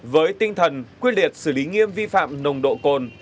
với tinh thần quyết liệt xử lý nghiêm vi phạm nồng độ cồn